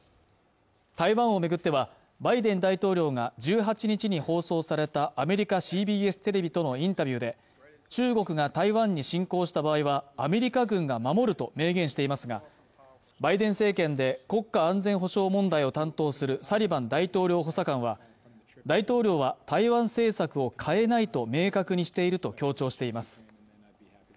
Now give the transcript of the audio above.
台湾をめぐってはバイデン大統領が１８日に放送されたアメリカＣＢＳテレビとのインタビューで中国が台湾に侵攻した場合はアメリカ軍が守ると明言していますがバイデン政権で国家安全保障問題を担当するサリバン大統領補佐官は大統領は台湾政策を変えないと明確にしていると強調しています